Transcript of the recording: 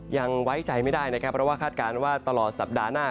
ยังไว้ใจไม่ได้นะครับเพราะว่าคาดการณ์ว่าตลอดสัปดาห์หน้า